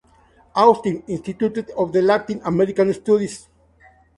Austin: Institute of Latin American Studies.